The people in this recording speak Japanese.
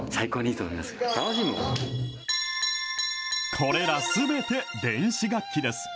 これらすべて電子楽器です。